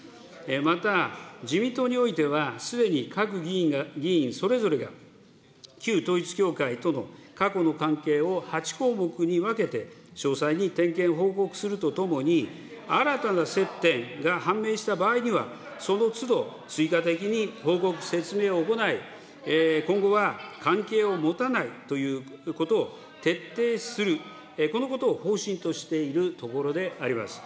また、自民党においては、すでに各議員それぞれが、旧統一教会との過去の関係を８項目に分けて、詳細に点検・報告するとともに、新たな接点が判明した場合には、そのつど、追加的に報告・説明を行い、今後は関係を持たないということを徹底する、このことを方針としているところであります。